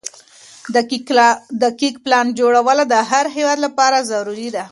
دقيق پلان جوړونه د هر هيواد لپاره ضروري ده.